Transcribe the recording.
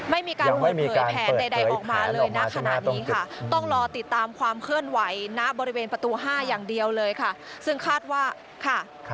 ไม่มีการเปิดเผยแผนใดออกมาเลยนะขณะนี้ค่ะต้องรอติดตามความเคลื่อนไหวณบริเวณประตู๕อย่างเดียวเลยค่ะซึ่งคาดว่าค่ะ